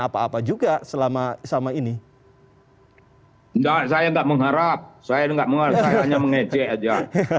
apa apa juga selama sama ini enggak saya enggak mengharap saya enggak mengharap saya hanya mengecek aja